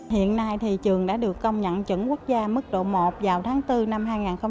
hiện nay thì trường đã được công nhận trưởng quốc gia mức độ một vào tháng bốn năm hai nghìn một mươi chín